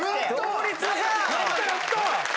やったやった！